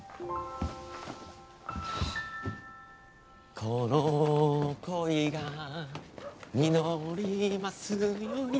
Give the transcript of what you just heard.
この恋が実りますように